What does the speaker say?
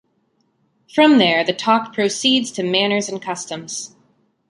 From there, the talk proceeds to manners and customs.